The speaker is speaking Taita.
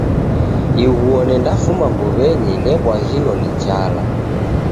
Ighuo nendafuma mbuwenyi nebwaghilo ni njala